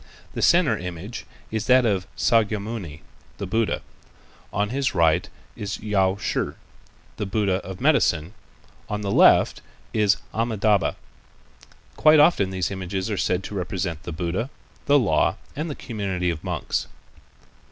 The center image is that of Sâkyamuni, the Buddha. On his right is Yao Shih, the Buddha of medicine, and on the left, Amitâbha. Quite often these images are said to represent the Buddha, the Law and the Community of Monks.